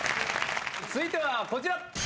続いてはこちら。